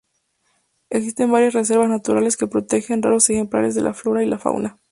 Existen varias reservas naturales que protegen raros ejemplares de la flora y la fauna.